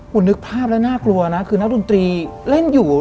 คุณนึกภาพแล้วน่ากลัวนะคือนักดนตรีเล่นอยู่